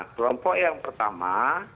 kelompok yang pertama